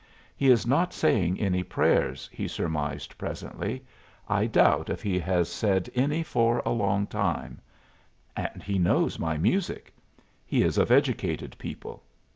"He is not saying any prayers," he surmised, presently. "I doubt if he has said any for a long while. And he knows my music. He is of educated people.